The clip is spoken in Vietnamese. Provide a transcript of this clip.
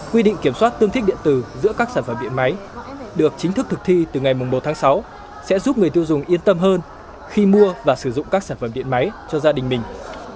quy định kiểm soát tương thích điện tử giữa các sản phẩm điện máy được chính thức thực thi từ ngày một tháng sáu sẽ giúp người tiêu dùng yên tâm hơn khi mua và sử dụng các sản phẩm điện máy cho gia đình mình